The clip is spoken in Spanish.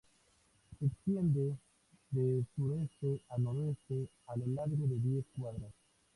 Se extiende de sureste a noroeste a lo largo de diez cuadras.